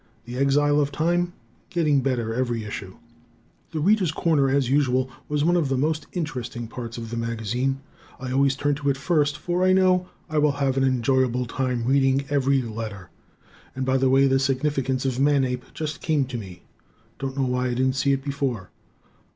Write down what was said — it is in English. "The Exile of Time" getting better every issue. "The Readers' Corner" as usual was one of the most interesting parts of the magazine. I always turn to it first, for I know I will have an enjoyable time reading every letter. And, by the way, the significance of "Manape" just came to me. Don't know why I didn't see it before.